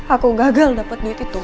aku gagal dapat duit itu